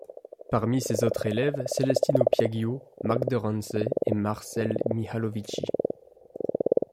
Parmi ses autres élèves, Celestino Piaggio, Marc de Ranse et Marcel Mihalovici.